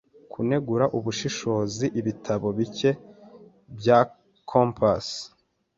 kunegura ubushishozi ibitabo bike bya compass